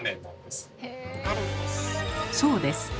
そうです